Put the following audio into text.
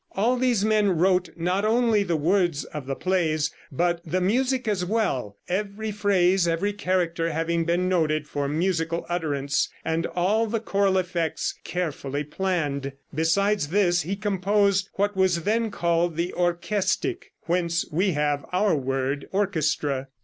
All these men wrote not only the words of the plays, but the music as well, every phrase of every character having been noted for musical utterance, and all the choral effects carefully planned. Besides this he composed what was then called the "Orchestic," whence we have our word orchestra.